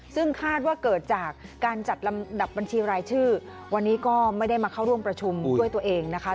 ซึ่งคาดว่าเกิดจากการจัดลำดับบัญชีรายชื่อวันนี้ก็ไม่ได้มาเข้าร่วมประชุมด้วยตัวเองนะคะ